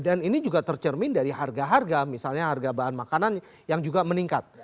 dan ini juga tercermin dari harga harga misalnya harga bahan makanan yang juga meningkat